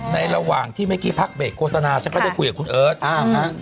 ระหว่างที่เมื่อกี้พักเบรกโฆษณาฉันก็ได้คุยกับคุณเอิร์ทอ้าวฮะ